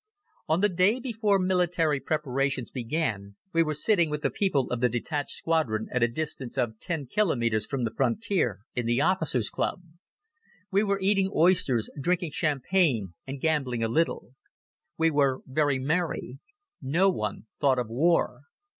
On the day before military preparations began we were sitting with the people of the detached squadron at a distance of ten kilometres from the frontier, in the officers' club. We were eating oysters, drinking champagne and gambling a little. We were very merry. No one thought of war.